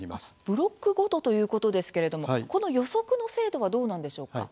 ブロックごとということですけれどもこの予測の精度はどうなんでしょうか？